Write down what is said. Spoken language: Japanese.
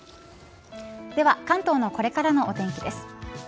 では関東のこれからのお天気です。